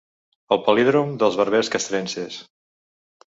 El palíndrom dels barbers castrenses.